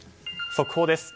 速報です。